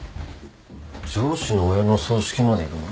上司の親の葬式まで行くの？